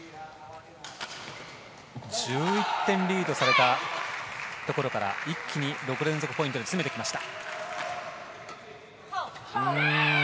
１１点リードされたところから一気に６連続ポイントに攻めてきました。